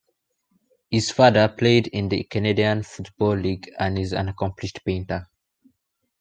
His father played in the Canadian Football League and is an accomplished painter.